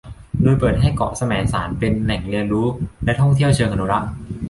โดยเปิดให้เกาะแสมสารเป็นแหล่งเรียนรู้และท่องเที่ยวเชิงอนุรักษ์